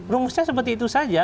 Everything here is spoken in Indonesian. rumusnya seperti itu saja